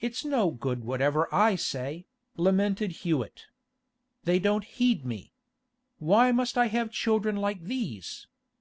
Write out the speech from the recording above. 'It's no good whatever I say,' lamented Hewett. 'They don't heed me. Why must I have children like these?